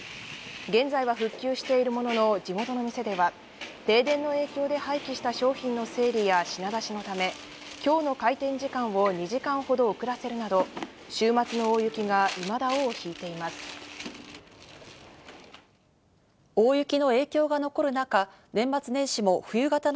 現在は復旧しているものの、地元の店では停電の影響で廃棄した商品の整理や品出しのため、今日の開店時間を２時間ほど遅らせるなど、週末の大雪がいまだ尾を引いています。